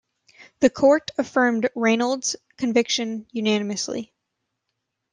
The Court affirmed Reynolds's conviction unanimously.